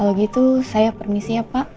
kalau gitu saya permisi ya pak